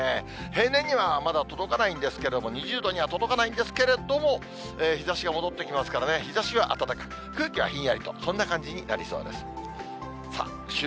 平年にはまだ届かないんですけれども、２０度には届かないんですけれども、日ざしが戻ってきますからね、日ざしは暖かく、空気はひんやりと、そんな感じになりそうです。